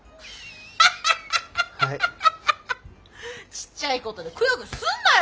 ちっちゃいことでクヨクヨすんなよ！